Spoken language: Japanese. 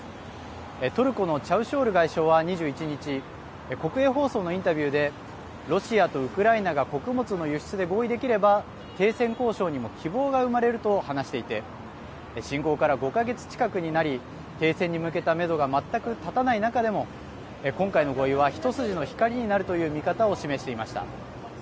トルコのチャウシュオール外相は２１日国営放送のインタビューでロシアとウクライナが穀物の輸出で合意できれば停戦交渉にも希望が生まれると話していて侵攻から５か月近くになり停戦に向けためどが全く立たない中でも今回の合意は、一筋の光になるという見方を示していました。